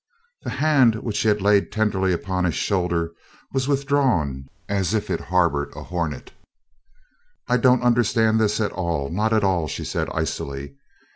The hand which she had laid tenderly upon his shoulder was withdrawn as if it harbored a hornet. "I don't understand this at all not at all," she said, icily.